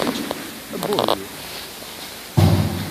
Abuhyut!